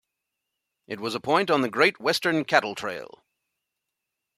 It was a point on the Great Western Cattle Trail.